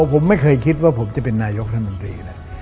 ผมไม่เคยคิดว่าผมจะเป็นนายกรัฐมนตรีนะ